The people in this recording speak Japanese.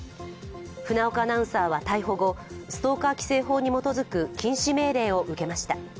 船岡アナウンサーは、逮捕後ストーカー規制法に基づく禁止命令を受けました。